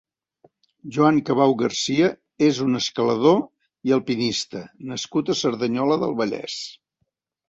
Joan Cabau García és un escalador i alpinista nascut a Cerdanyola del Vallès.